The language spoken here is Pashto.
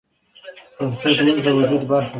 پښتو زموږ د وجود برخه ده.